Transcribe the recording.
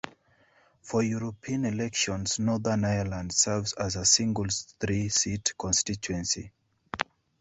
For European elections Northern Ireland serves as a single three-seat constituency.